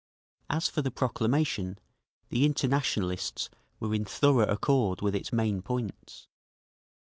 As for the proclamation, the Internationalists were in thorough accord with its main points….